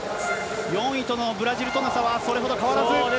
４位とのブラジルとの差はそれほど変わらず。